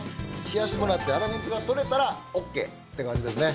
冷やしてもらって粗熱が取れたらオッケーって感じですね。